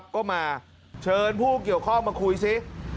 ก็มาเชิญผู้เกี่ยวข้องมาคุยซิ